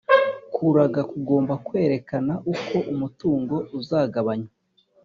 kuraga kugomba kwerekana uko umutungo uzagabanywa,